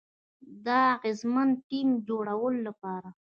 د اغیزمن ټیم جوړولو لپاره